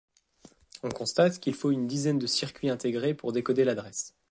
On constate qu'il faut une dizaine de circuits intégrés pour décoder l'adresse.